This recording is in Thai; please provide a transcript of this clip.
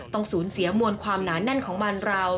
ต้องสูญเสียมวลความหนาแน่นของบ้านเรา